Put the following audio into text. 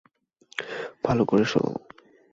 ভালো করে শোনো।